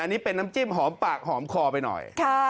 อันนี้เป็นน้ำจิ้มหอมปากหอมคอไปหน่อย